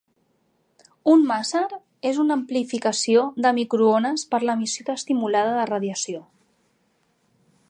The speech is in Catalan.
Un màser és una amplificació de microones per l'emissió estimulada de radiació.